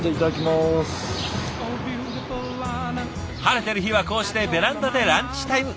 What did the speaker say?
晴れてる日はこうしてベランダでランチタイム。